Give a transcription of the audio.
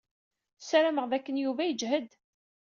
Sarameɣ d akken Yuba yeǧhed.